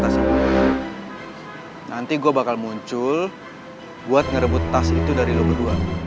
tidak samuel nanti gue bakal muncul buat ngerebut tas itu dari lo berdua